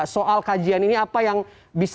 soal kajian ini apa yang bisa